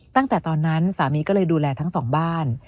ตั้งแต่ตอนนั้นสามีก็เลยดูแลทั้งสองบ้าน